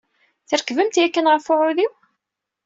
Trekbemt yakan ɣef uɛudiw?